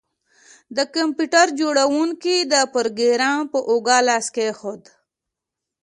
د کمپیوټر جوړونکي د پروګرامر په اوږه لاس کیښود